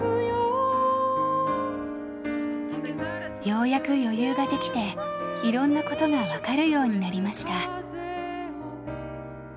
Ｔｈａｎｋｙｏｕ．ようやく余裕ができていろんなことが分かるようになりました。